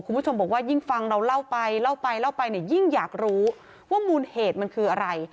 คุณผู้ชมบอกว่ายิ่งฟังเราเล่าไปเล่าไปเล่าไปเนี่ยยิ่งอยากรู้ว่ามูลเหตุมันคืออะไร